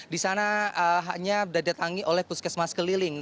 di sana hanya didatangi oleh puskesmas keliling